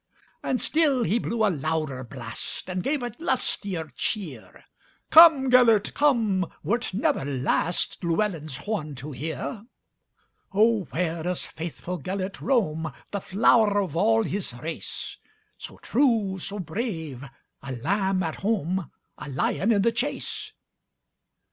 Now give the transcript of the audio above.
And still he blew a louder blast, And gave a lustier cheer:"Come, Gêlert, come, wert never lastLlewelyn's horn to hear."O, where doth faithful Gêlert roam, The flower of all his race, So true, so brave,—a lamb at home,A lion in the chase?"